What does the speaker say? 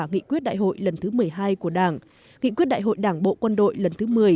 nghị quyết đại hội lần thứ một mươi hai của đảng nghị quyết đại hội đảng bộ quân đội lần thứ một mươi